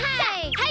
はい。